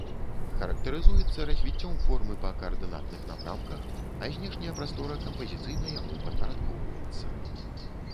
Характарызуецца развіццём формы па каардынатных напрамках, а знешняя прастора кампазіцыйна яму падпарадкоўваецца.